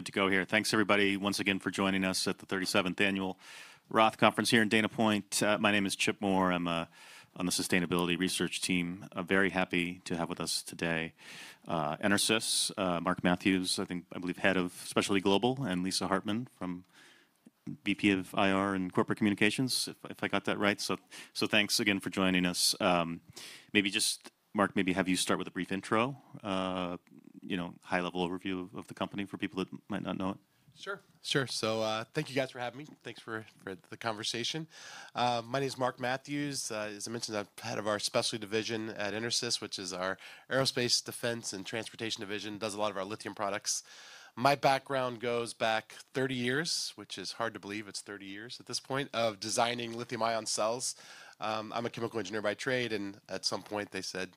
We're good to go here. Thanks, everybody, once again for joining us at the 37th Annual Roth Conference here in Dana Point. My name is Chip Moore. I'm on the sustainability research team. Very happy to have with us today EnerSys, Mark Matthews, I believe head of Specialty Global, and Lisa Hartman from VP of IR and Corporate Communications, if I got that right. Thanks again for joining us. Maybe just, Mark, maybe have you start with a brief intro, you know, high-level overview of the company for people that might not know it. Sure, sure. Thank you guys for having me. Thanks for the conversation. My name is Mark Matthews. As I mentioned, I'm head of our Specialty division at EnerSys, which is our aerospace, defense, and transportation division, does a lot of our lithium products. My background goes back 30 years, which is hard to believe it's 30 years at this point, of designing lithium-ion cells. I'm a chemical engineer by trade, and at some point they said,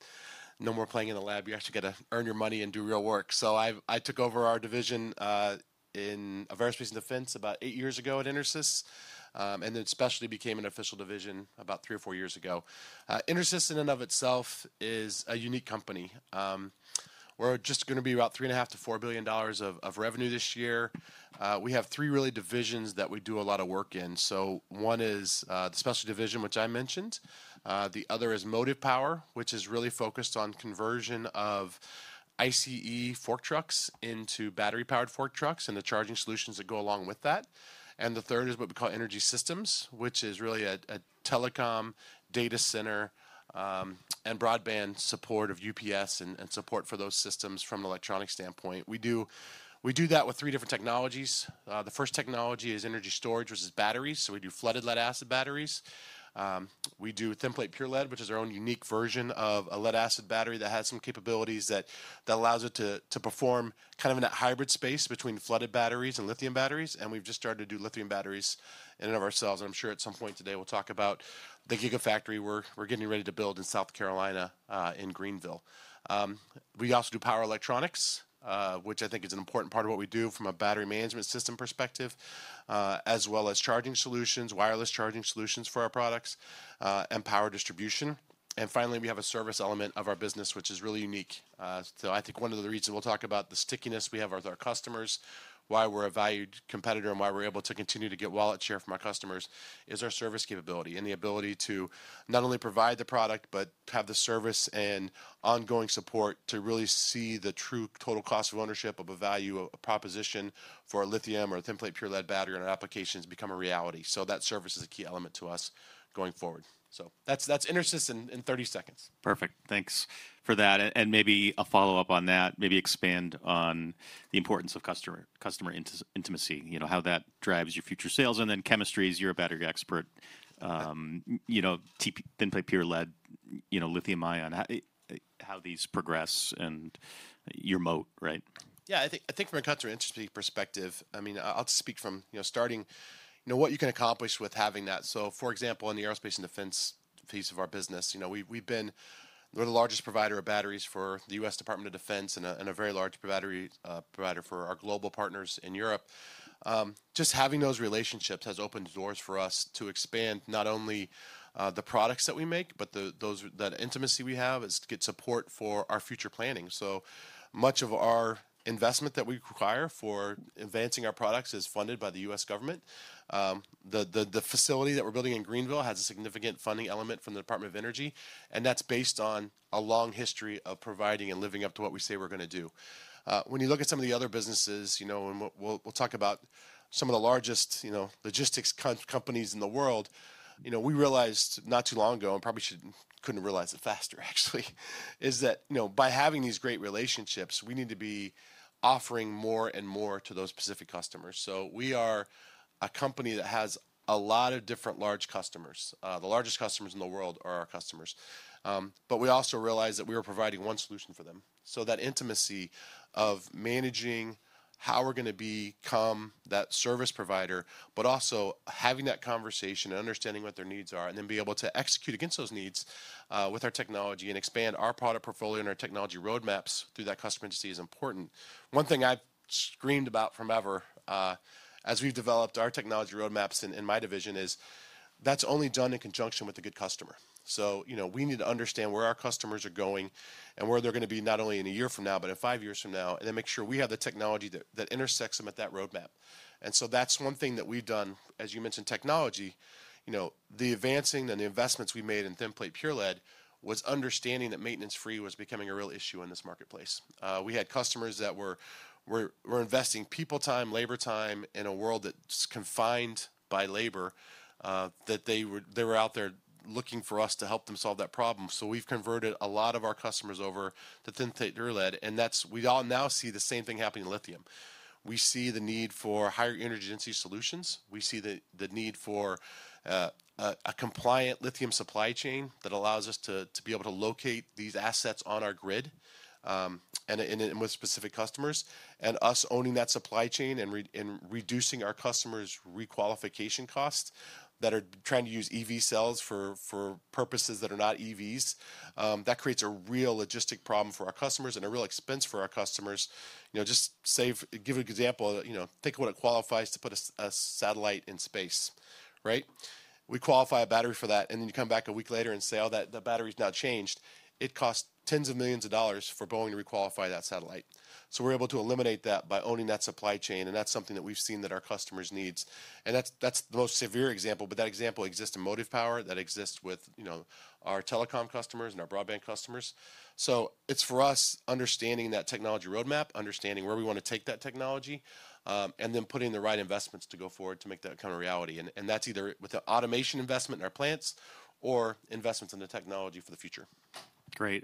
no more playing in the lab. You actually got to earn your money and do real work. I took over our division in aerospace and defense about eight years ago at EnerSys, and then Specialty became an official division about three or four years ago. EnerSys in and of itself is a unique company. We're just going to be about $3.5 billion-$4 billion of revenue this year. We have three really divisions that we do a lot of work in. One is the Specialty division, which I mentioned. The other is Motive Power, which is really focused on conversion of ICE fork trucks into battery-powered fork trucks and the charging solutions that go along with that. The third is what we call Energy Systems, which is really a telecom, data center, and broadband support of UPS and support for those systems from an electronic standpoint. We do that with three different technologies. The first technology is energy storage, which is batteries. We do flooded lead acid batteries. We do thin plate pure lead, which is our own unique version of a lead acid battery that has some capabilities that allows it to perform kind of in a hybrid space between flooded batteries and lithium batteries. We have just started to do lithium batteries in and of ourselves. I am sure at some point today we will talk about the gigafactory we are getting ready to build in Greenville, South Carolina. We also do power electronics, which I think is an important part of what we do from a battery management system perspective, as well as charging solutions, wireless charging solutions for our products, and power distribution. Finally, we have a service element of our business, which is really unique. I think one of the reasons we'll talk about the stickiness we have with our customers, why we're a valued competitor, and why we're able to continue to get wallet share from our customers, is our service capability and the ability to not only provide the product, but have the service and ongoing support to really see the true total cost of ownership of a value proposition for a lithium or a thin plate pure lead battery on our applications become a reality. That service is a key element to us going forward. That's EnerSys in 30 seconds. Perfect. Thanks for that. Maybe a follow-up on that, maybe expand on the importance of customer intimacy, you know, how that drives your future sales. And then chemistries, you're a battery expert, you know, thin plate pure lead, you know, lithium-ion, how these progress and your moat, right? Yeah, I think from a customer intimacy perspective, I mean, I'll just speak from starting, you know, what you can accomplish with having that. For example, in the aerospace and defense piece of our business, you know, we've been the largest provider of batteries for the U.S. Department of Defense and a very large provider for our global partners in Europe. Just having those relationships has opened doors for us to expand not only the products that we make, but that intimacy we have is good support for our future planning. So much of our investment that we require for advancing our products is funded by the U.S. government. The facility that we're building in Greenville has a significant funding element from the Department of Energy, and that's based on a long history of providing and living up to what we say we're going to do. When you look at some of the other businesses, you know, and we'll talk about some of the largest, you know, logistics companies in the world, you know, we realized not too long ago, and probably shouldn't, couldn't realize it faster, actually, is that, you know, by having these great relationships, we need to be offering more and more to those specific customers. So we are a company that has a lot of different large customers. The largest customers in the world are our customers. But we also realized that we were providing one solution for them. So that intimacy of managing how we're going to become that service provider, but also having that conversation and understanding what their needs are, and then be able to execute against those needs with our technology and expand our product portfolio and our technology roadmaps through that customer intimacy is important. One thing I've screamed about from ever as we've developed our technology roadmaps in my division is that's only done in conjunction with a good customer. You know, we need to understand where our customers are going and where they're going to be not only in a year from now, but in five years from now, and then make sure we have the technology that intersects them at that roadmap. That's one thing that we've done. As you mentioned, technology, you know, the advancing and the investments we made in thin plate pure lead was understanding that maintenance-free was becoming a real issue in this marketplace. We had customers that were investing people time, labor time in a world that's confined by labor, that they were out there looking for us to help them solve that problem. We've converted a lot of our customers over to thin plate pure lead, and we all now see the same thing happening in lithium. We see the need for higher energy density solutions. We see the need for a compliant lithium supply chain that allows us to be able to locate these assets on our grid and with specific customers and us owning that supply chain and reducing our customers' requalification costs that are trying to use EV cells for purposes that are not EVs. That creates a real logistic problem for our customers and a real expense for our customers. You know, just save, give an example, you know, think of what it qualifies to put a satellite in space, right? We qualify a battery for that, and then you come back a week later and say, oh, that battery's now changed. It costs tens of millions of dollars for Boeing to requalify that satellite. We are able to eliminate that by owning that supply chain, and that is something that we have seen that our customers need. That is the most severe example, but that example exists in Motive Power, that exists with, you know, our telecom customers and our broadband customers. It is for us understanding that technology roadmap, understanding where we want to take that technology, and then putting the right investments to go forward to make that kind of reality. That is either with the automation investment in our plants or investments in the technology for the future. Great.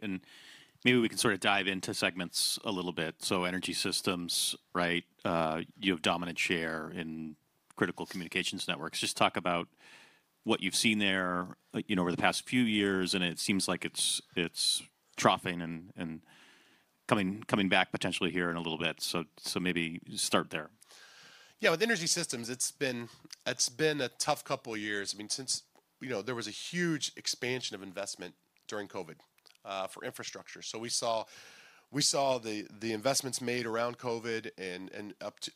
Maybe we can sort of dive into segments a little bit. Energy Systems, right? You have dominant share in critical communications networks. Just talk about what you've seen there, you know, over the past few years, and it seems like it's troughing and coming back potentially here in a little bit. Maybe start there. Yeah, with Energy Systems, it's been a tough couple of years. I mean, since, you know, there was a huge expansion of investment during COVID for infrastructure. We saw the investments made around COVID and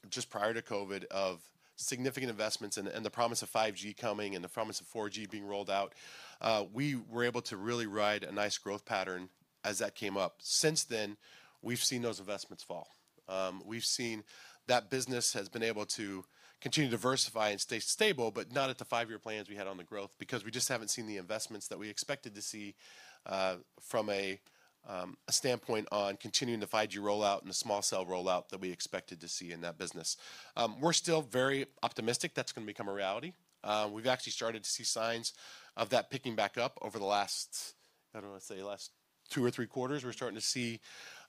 just prior to COVID of significant investments and the promise of 5G coming and the promise of 4G being rolled out. We were able to really ride a nice growth pattern as that came up. Since then, we've seen those investments fall. We've seen that business has been able to continue to diversify and stay stable, but not at the five-year plans we had on the growth because we just haven't seen the investments that we expected to see from a standpoint on continuing the 5G rollout and the small cell rollout that we expected to see in that business. We're still very optimistic that's going to become a reality. We've actually started to see signs of that picking back up over the last, I don't want to say last two or three quarters. We're starting to see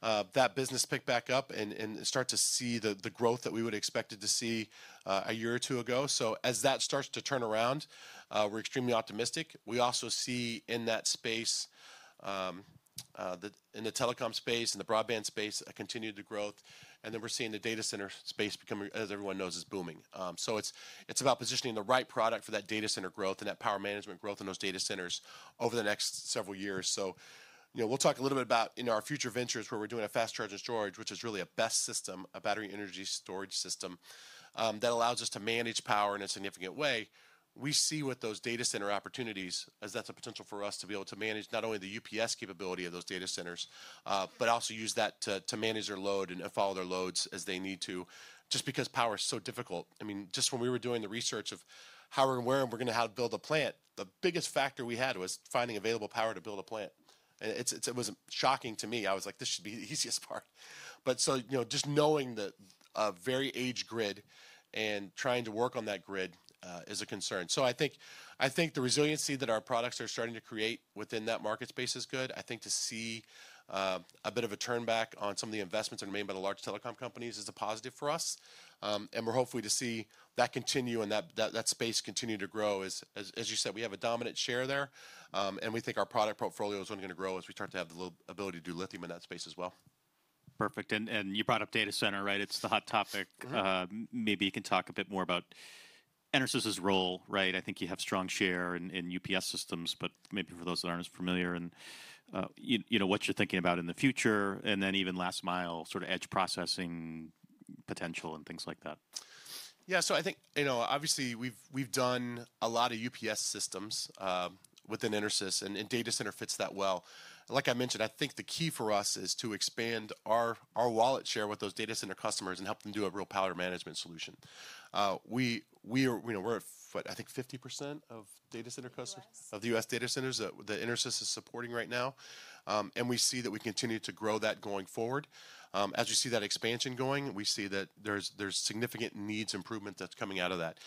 that business pick back up and start to see the growth that we would have expected to see a year or two ago. As that starts to turn around, we're extremely optimistic. We also see in that space, in the telecom space, in the broadband space, a continued growth, and then we're seeing the data center space becoming, as everyone knows, is booming. It's about positioning the right product for that data center growth and that power management growth in those data centers over the next several years. You know, we'll talk a little bit about, you know, our future ventures where we're doing a fast charging storage, which is really a BESS, a battery energy storage system that allows us to manage power in a significant way. We see with those data center opportunities as that's a potential for us to be able to manage not only the UPS capability of those data centers, but also use that to manage their load and follow their loads as they need to. Just because power is so difficult. I mean, just when we were doing the research of how and where we're going to have to build a plant, the biggest factor we had was finding available power to build a plant. It was shocking to me. I was like, this should be the easiest part. You know, just knowing that a very aged grid and trying to work on that grid is a concern. I think the resiliency that our products are starting to create within that market space is good. I think to see a bit of a turnback on some of the investments that are made by the large telecom companies is a positive for us. We're hopeful to see that continue and that space continue to grow. As you said, we have a dominant share there. We think our product portfolio is only going to grow as we start to have the ability to do lithium in that space as well. Perfect. You brought up data center, right? It's the hot topic. Maybe you can talk a bit more about EnerSys's role, right? I think you have strong share in UPS systems, but maybe for those that aren't as familiar and, you know, what you're thinking about in the future and then even last mile sort of edge processing potential and things like that. Yeah, so I think, you know, obviously we've done a lot of UPS systems within EnerSys and data center fits that well. Like I mentioned, I think the key for us is to expand our wallet share with those data center customers and help them do a real power management solution. We are, you know, we're at, I think, 50% of data center customers of the U.S. data centers that EnerSys is supporting right now. We see that we continue to grow that going forward. As you see that expansion going, we see that there's significant needs improvement that's coming out of that.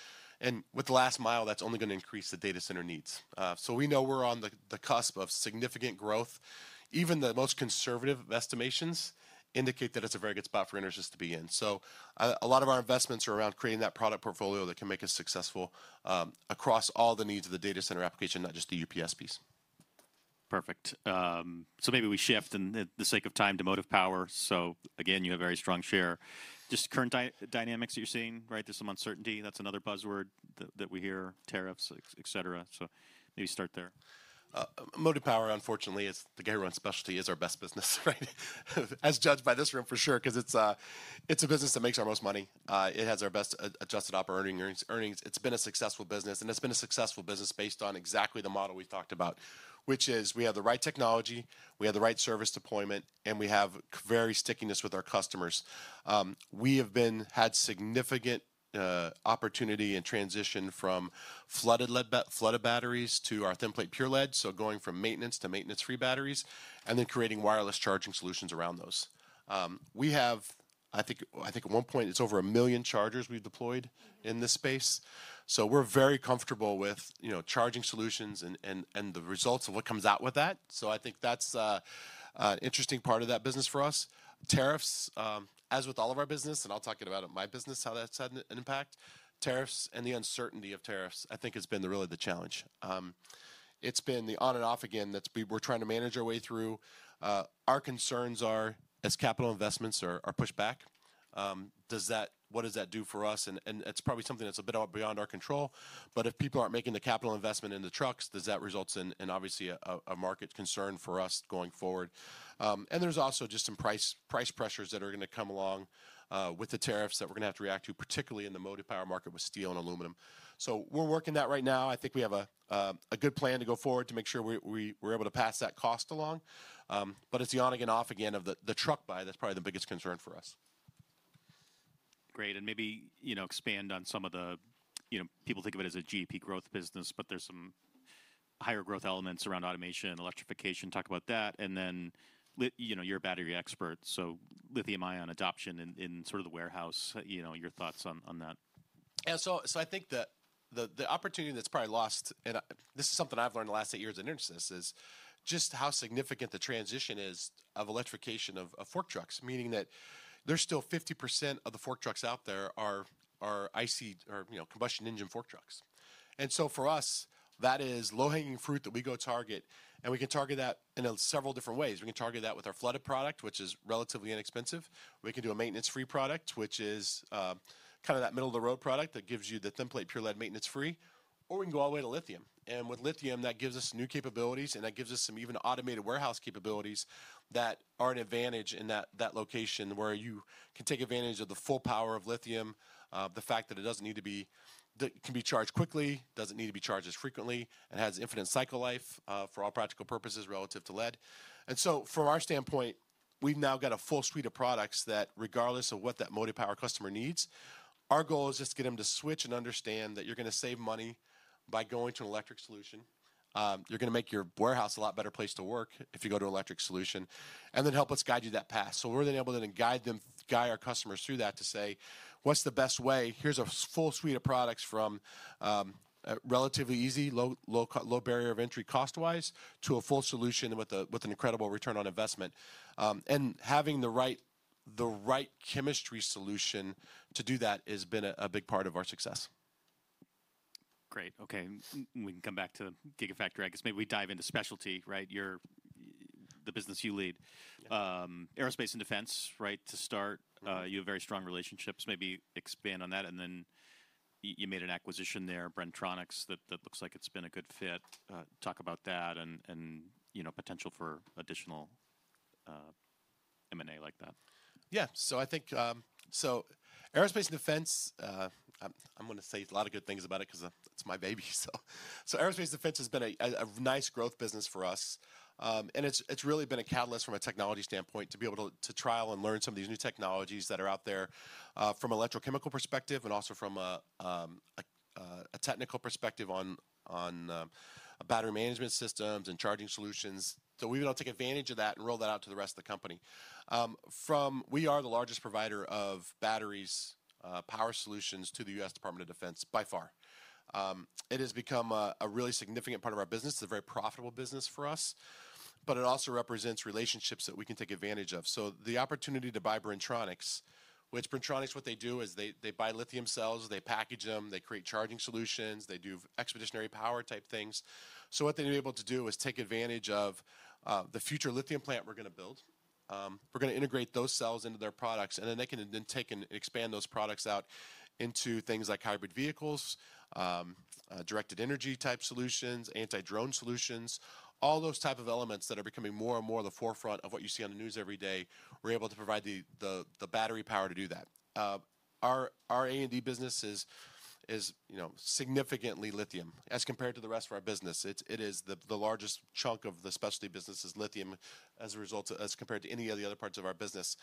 With the last mile, that's only going to increase the data center needs. We know we're on the cusp of significant growth. Even the most conservative estimations indicate that it's a very good spot for EnerSys to be in. A lot of our investments are around creating that product portfolio that can make us successful across all the needs of the data center application, not just the UPS piece. Perfect. Maybe we shift in the sake of time to Motive Power. Again, you have a very strong share. Just current dynamics that you're seeing, right? There's some uncertainty. That's another buzzword that we hear, tariffs, et cetera. Maybe start there. Motive Power, unfortunately, is the guy who runs Specialty is our best business, right? As judged by this room for sure, because it's a business that makes our most money. It has our best adjusted operating earnings. It's been a successful business, and it's been a successful business based on exactly the model we've talked about, which is we have the right technology, we have the right service deployment, and we have very stickiness with our customers. We have had significant opportunity and transition from flooded lead batteries to our thin plate pure lead, so going from maintenance to maintenance-free batteries and then creating wireless charging solutions around those. I think at one point, it's over a million chargers we've deployed in this space. We are very comfortable with, you know, charging solutions and the results of what comes out with that. I think that's an interesting part of that business for us. Tariffs, as with all of our business, and I'll talk about it in my business, how that's had an impact. Tariffs and the uncertainty of tariffs, I think has been really the challenge. It's been the on and off again that we're trying to manage our way through. Our concerns are as capital investments are pushed back, what does that do for us? It's probably something that's a bit beyond our control, but if people aren't making the capital investment in the trucks, does that result in obviously a market concern for us going forward? There's also just some price pressures that are going to come along with the tariffs that we're going to have to react to, particularly in the Motive Power market with steel and aluminum. We're working that right now. I think we have a good plan to go forward to make sure we're able to pass that cost along. It is the on again, off again of the truck buy. That's probably the biggest concern for us. Great. Maybe, you know, expand on some of the, you know, people think of it as a GP growth business, but there are some higher growth elements around automation and electrification. Talk about that. You know, you're a battery expert, so lithium-ion adoption in sort of the warehouse, you know, your thoughts on that. Yeah, I think that the opportunity that's probably lost, and this is something I've learned in the last eight years at EnerSys, is just how significant the transition is of electrification of fork trucks, meaning that there's still 50% of the fork trucks out there are IC or, you know, combustion engine fork trucks. For us, that is low-hanging fruit that we go target, and we can target that in several different ways. We can target that with our flooded product, which is relatively inexpensive. We can do a maintenance-free product, which is kind of that middle of the road product that gives you the thin plate pure lead maintenance-free, or we can go all the way to lithium. With lithium, that gives us new capabilities, and that gives us some even automated warehouse capabilities that are an advantage in that location where you can take advantage of the full power of lithium, the fact that it does not need to be, it can be charged quickly, does not need to be charged as frequently, and has infinite cycle life for all practical purposes relative to lead. From our standpoint, we have now got a full suite of products that, regardless of what that Motive Power customer needs, our goal is just to get them to switch and understand that you are going to save money by going to an electric solution. You are going to make your warehouse a lot better place to work if you go to an electric solution, and then help us guide you that path. We are then able to guide them, guide our customers through that to say, what's the best way? Here's a full suite of products from relatively easy, low barrier of entry cost-wise to a full solution with an incredible return on investment. Having the right chemistry solution to do that has been a big part of our success. Great. Okay. We can come back to Gigafactory. I guess maybe we dive into Specialty, right? You're the business you lead. Aerospace and defense, right? To start, you have very strong relationships. Maybe expand on that. You made an acquisition there, Bren-Tronics, that looks like it's been a good fit. Talk about that and, you know, potential for additional M&A like that. Yeah. I think aerospace and defense, I'm going to say a lot of good things about it because it's my baby. Aerospace and defense has been a nice growth business for us. It has really been a catalyst from a technology standpoint to be able to trial and learn some of these new technologies that are out there from an electrochemical perspective and also from a technical perspective on battery management systems and charging solutions. We have been able to take advantage of that and roll that out to the rest of the company. We are the largest provider of batteries, power solutions to the U.S. Department of Defense by far. It has become a really significant part of our business. It is a very profitable business for us, but it also represents relationships that we can take advantage of. The opportunity to buy Bren-Tronics, which Bren-Tronics, what they do is they buy lithium cells, they package them, they create charging solutions, they do expeditionary power type things. What they're able to do is take advantage of the future lithium plant we're going to build. We're going to integrate those cells into their products, and then they can then take and expand those products out into things like hybrid vehicles, directed energy type solutions, anti-drone solutions, all those types of elements that are becoming more and more the forefront of what you see on the news every day. We're able to provide the battery power to do that. Our A&D business is, you know, significantly lithium as compared to the rest of our business. It is the largest chunk of the Specialty business is lithium as a result as compared to any of the other parts of our business.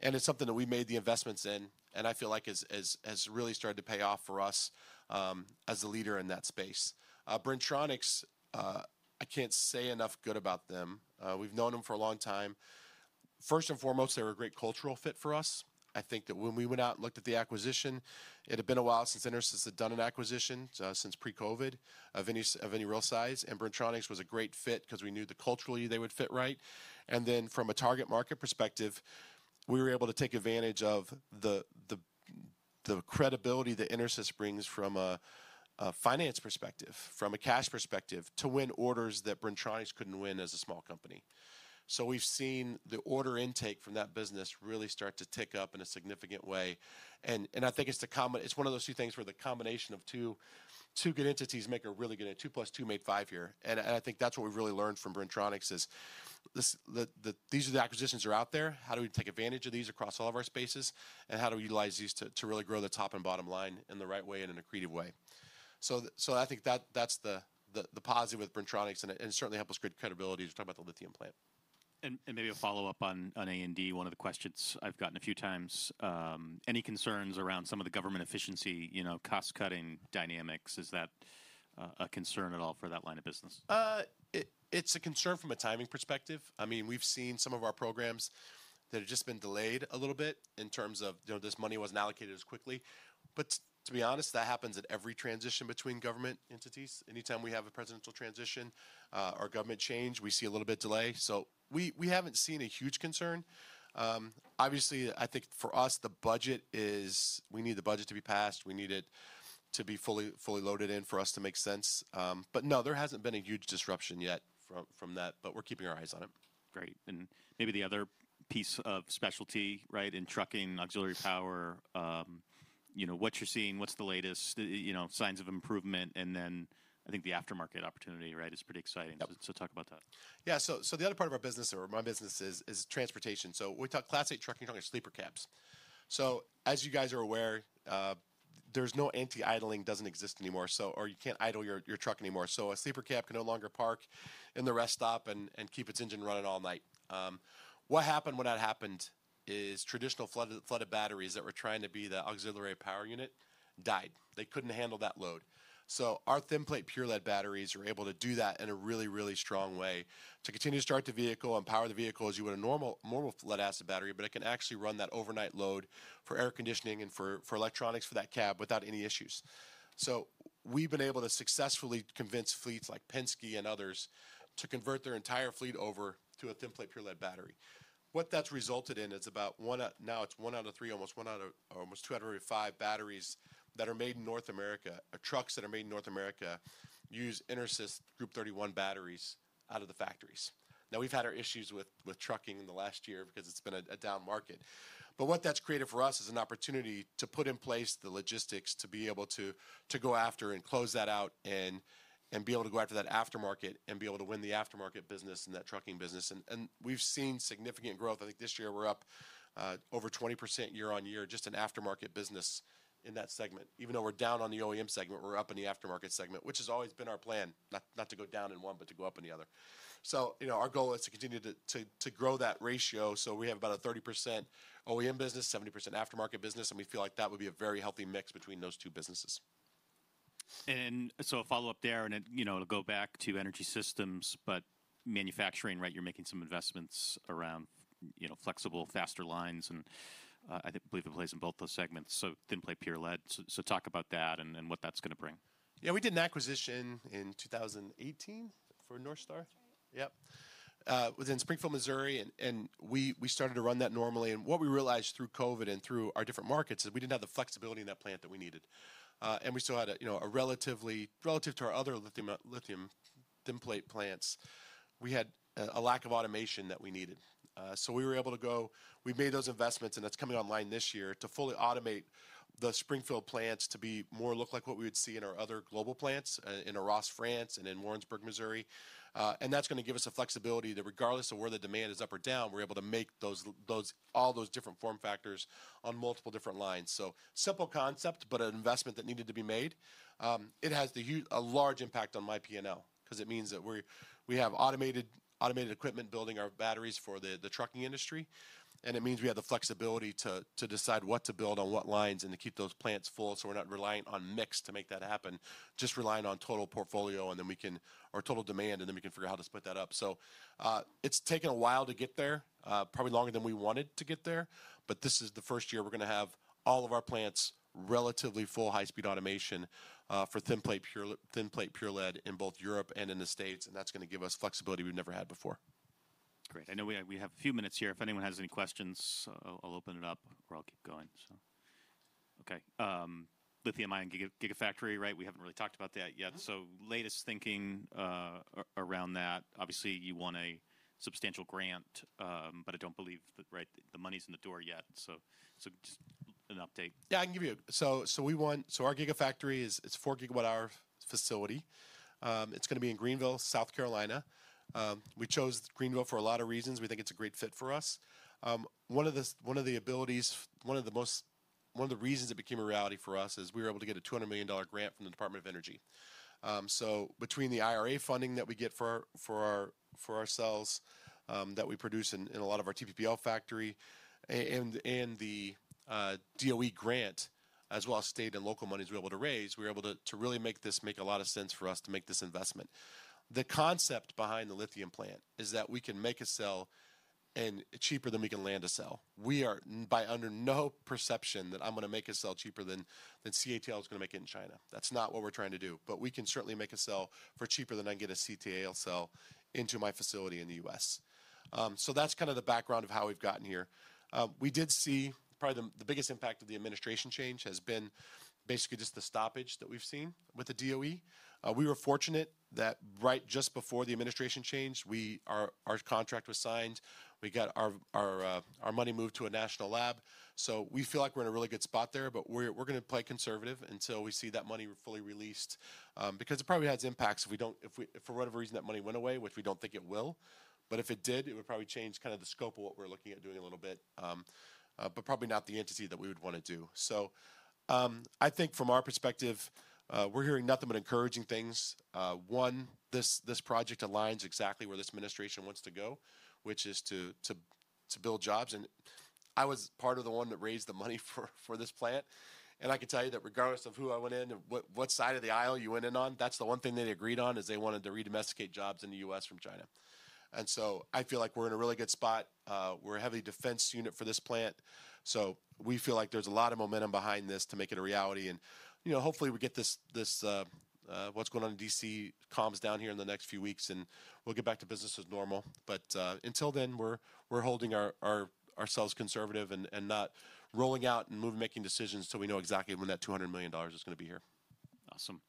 It is something that we made the investments in, and I feel like has really started to pay off for us as a leader in that space. Bren-Tronics, I can't say enough good about them. We've known them for a long time. First and foremost, they're a great cultural fit for us. I think that when we went out and looked at the acquisition, it had been a while since EnerSys had done an acquisition since pre-COVID of any real size. Bren-Tronics was a great fit because we knew culturally they would fit right. From a target market perspective, we were able to take advantage of the credibility that EnerSys brings from a finance perspective, from a cash perspective to win orders that Bren-Tronics could not win as a small company. We have seen the order intake from that business really start to tick up in a significant way. I think it is one of those things where the combination of two good entities makes a really good, two plus two made five here. I think that is what we have really learned from Bren-Tronics, these are the acquisitions that are out there. How do we take advantage of these across all of our spaces and how do we utilize these to really grow the top and bottom line in the right way and in a creative way? I think that's the positive with Bren-Tronics and certainly helps us create credibility to talk about the lithium plant. Maybe a follow-up on A&D, one of the questions I've gotten a few times. Any concerns around some of the government efficiency, you know, cost-cutting dynamics? Is that a concern at all for that line of business? It's a concern from a timing perspective. I mean, we've seen some of our programs that have just been delayed a little bit in terms of, you know, this money wasn't allocated as quickly. To be honest, that happens at every transition between government entities. Anytime we have a presidential transition or government change, we see a little bit of delay. We haven't seen a huge concern. Obviously, I think for us, the budget is, we need the budget to be passed. We need it to be fully loaded in for us to make sense. No, there hasn't been a huge disruption yet from that, but we're keeping our eyes on it. Great. Maybe the other piece of specialty, right, in trucking, auxiliary power, you know, what you're seeing, what's the latest, you know, signs of improvement, and then I think the aftermarket opportunity, right, is pretty exciting. Talk about that. Yeah. The other part of our business, or my business, is transportation. We talk classic trucking, trucking sleeper cabs. As you guys are aware, there's no anti-idling anymore, or you can't idle your truck anymore. A sleeper cab can no longer park in the rest stop and keep its engine running all night. What happened when that happened is traditional flooded batteries that were trying to be the auxiliary power unit died. They couldn't handle that load. Our thin plate pure lead batteries are able to do that in a really, really strong way to continue to start the vehicle and power the vehicle as you would a normal lead acid battery, but it can actually run that overnight load for air conditioning and for electronics for that cab without any issues. We have been able to successfully convince fleets like Penske and others to convert their entire fleet over to a thin plate pure lead battery. What that has resulted in is about now it is one out of three, almost one out of almost two out of five batteries that are made in North America, trucks that are made in North America use EnerSys Group 31 batteries out of the factories. We have had our issues with trucking in the last year because it has been a down market. What that has created for us is an opportunity to put in place the logistics to be able to go after and close that out and be able to go after that aftermarket and be able to win the aftermarket business and that trucking business. We have seen significant growth. I think this year we're up over 20% year on year, just in aftermarket business in that segment. Even though we're down on the OEM segment, we're up in the aftermarket segment, which has always been our plan, not to go down in one, but to go up in the other. You know, our goal is to continue to grow that ratio. We have about a 30% OEM business, 70% aftermarket business, and we feel like that would be a very healthy mix between those two businesses. A follow-up there, and you know, it'll go back to Energy Systems, but manufacturing, right? You're making some investments around, you know, flexible, faster lines, and I believe it plays in both those segments. So thin plate pure lead. Talk about that and what that's going to bring. Yeah, we did an acquisition in 2018 for NorthStar. Yep. Within Springfield, Missouri, and we started to run that normally. What we realized through COVID and through our different markets is we did not have the flexibility in that plant that we needed. We still had a, you know, a relatively, relative to our other lithium thin plate plants, we had a lack of automation that we needed. We were able to go, we made those investments, and that is coming online this year to fully automate the Springfield plants to be more like what we would see in our other global plants in Arras, France, and in Warrensburg, Missouri. That is going to give us a flexibility that regardless of where the demand is up or down, we are able to make all those different form factors on multiple different lines. Simple concept, but an investment that needed to be made. It has a large impact on my P&L because it means that we have automated equipment building our batteries for the trucking industry. It means we have the flexibility to decide what to build on what lines and to keep those plants full so we're not reliant on mix to make that happen, just relying on total portfolio and then we can, or total demand, and then we can figure out how to split that up. It's taken a while to get there, probably longer than we wanted to get there, but this is the first year we're going to have all of our plants relatively full high-speed automation for thin plate pure lead in both Europe and in the States, and that's going to give us flexibility we've never had before. Great. I know we have a few minutes here. If anyone has any questions, I'll open it up or I'll keep going. Okay. Lithium-ion gigafactory, right? We haven't really talked about that yet. Latest thinking around that, obviously you want a substantial grant, but I don't believe that, right, the money's in the door yet. Just an update. Yeah, I can give you a, we want, our gigafactory is a 4 gigawatt-hour facility. It's going to be in Greenville, South Carolina. We chose Greenville for a lot of reasons. We think it's a great fit for us. One of the reasons it became a reality for us is we were able to get a $200 million grant from the Department of Energy. Between the IRA funding that we get for our cells that we produce in a lot of our TPPL factory and the DOE grant, as well as state and local money we're able to raise, we were able to really make this make a lot of sense for us to make this investment. The concept behind the lithium plant is that we can make a cell cheaper than we can land a cell. We are by under no perception that I'm going to make a cell cheaper than CATL is going to make it in China. That's not what we're trying to do, but we can certainly make a cell for cheaper than I can get a CATL cell into my facility in the U.S. That's kind of the background of how we've gotten here. We did see probably the biggest impact of the administration change has been basically just the stoppage that we've seen with the DOE. We were fortunate that right just before the administration change, our contract was signed. We got our money moved to a national lab. We feel like we're in a really good spot there, but we're going to play conservative until we see that money fully released because it probably has impacts if we don't, if for whatever reason that money went away, which we don't think it will. If it did, it would probably change kind of the scope of what we're looking at doing a little bit, but probably not the entity that we would want to do. I think from our perspective, we're hearing nothing but encouraging things. One, this project aligns exactly where this administration wants to go, which is to build jobs. I was part of the one that raised the money for this plant. I can tell you that regardless of who I went in, what side of the aisle you went in on, that's the one thing they agreed on is they wanted to redomesticate jobs in the U.S. from China. I feel like we're in a really good spot. We're a heavy defense unit for this plant. We feel like there's a lot of momentum behind this to make it a reality. You know, hopefully we get this, what's going on in DC calms down here in the next few weeks and we'll get back to business as normal. Until then, we're holding ourselves conservative and not rolling out and moving, making decisions till we know exactly when that $200 million is going to be here. Awesome.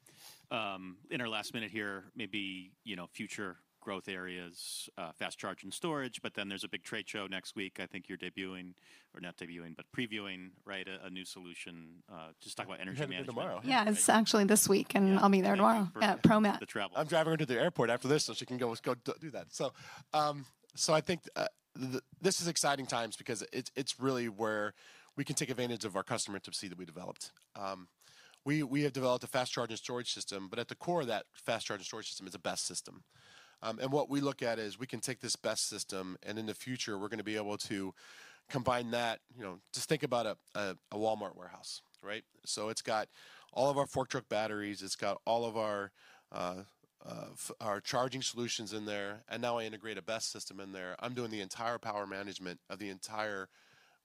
In our last minute here, maybe, you know, future growth areas, fast charge and storage, but then there is a big trade show next week. I think you are debuting, or not debuting, but previewing, right, a new solution. Just talk about energy management. Yeah, it's actually this week and I'll be there tomorrow at ProMat. I'm driving her to the airport after this so she can go do that. I think this is exciting times because it's really where we can take advantage of our customer to see that we developed. We have developed a Fast Charge and Storage System, but at the core of that Fast Charge and Storage System is a BESS system. What we look at is we can take this BESS system and in the future we're going to be able to combine that, you know, just think about a Walmart warehouse, right? It's got all of our fork truck batteries, it's got all of our charging solutions in there, and now I integrate a BESS system in there. I'm doing the entire power management of the entire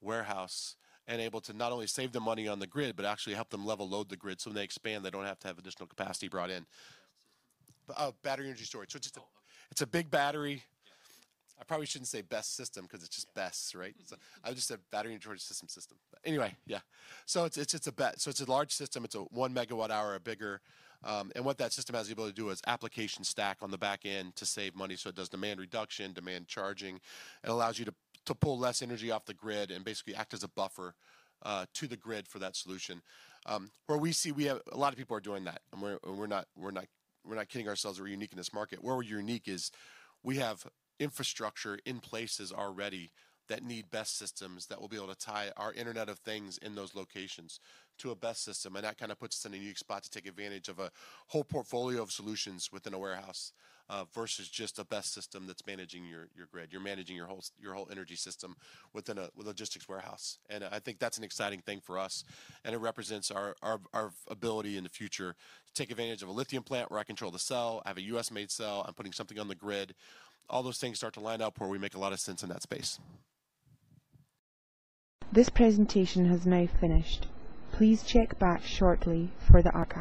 warehouse and able to not only save the money on the grid, but actually help them level load the grid so when they expand, they don't have to have additional capacity brought in. Battery energy storage. It's a big battery. I probably shouldn't say BESS system because it's just BESS, right? I would just say battery energy storage system. Anyway, yeah. It's a large system. It's a one megawatt hour or bigger. What that system has the ability to do is application stack on the back end to save money so it does demand reduction, demand charging. It allows you to pull less energy off the grid and basically act as a buffer to the grid for that solution. Where we see, we have a lot of people are doing that. We're not kidding ourselves that we're unique in this market. Where we're unique is we have infrastructure in places already that need BESS systems that will be able to tie our Internet of Things in those locations to a BESS system. That kind of puts us in a unique spot to take advantage of a whole portfolio of solutions within a warehouse versus just a BESS system that's managing your grid. You're managing your whole Energy System within a logistics warehouse. I think that's an exciting thing for us. It represents our ability in the future to take advantage of a lithium plant where I control the cell. I have a US-made cell. I'm putting something on the grid. All those things start to line up where we make a lot of sense in that space. This presentation has now finished. Please check back shortly for the archive.